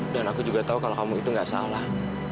dan aku juga tau kalau kamu itu gak salah